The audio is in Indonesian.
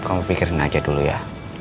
kamu pikirin aja dulu ya